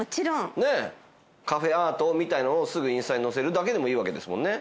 カフェアートみたいのをすぐインスタに載せるだけでもいいわけですもんね？